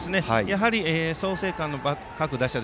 創成館の各打者